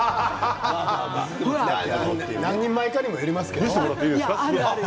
笑い声何人前かにもよりますけれど。